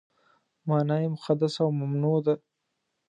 معنا یې مقدس او ممنوع ده.